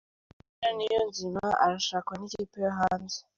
Haruna Niyonzima arashakwa nikipe yo hanze